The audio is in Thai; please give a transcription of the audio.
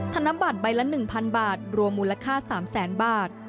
ธนบัตรใบละ๑๐๐บาทรวมมูลค่า๓แสนบาท